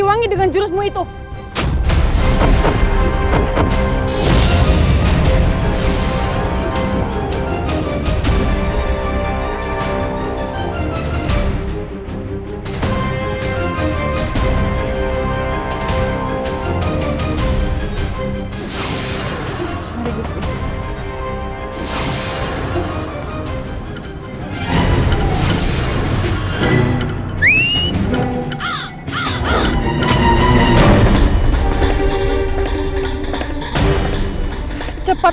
tenang amin tenang